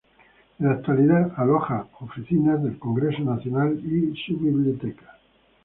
En la actualidad, aloja oficinas del Congreso Nacional y su Biblioteca.